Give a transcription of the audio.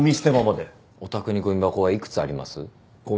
お宅にごみ箱はいくつあります？ごみ箱？